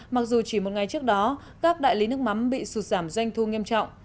mặc dù chỉ một ngày trước đó các đại lý nước mắm bị sụt giảm doanh thu nghiêm trọng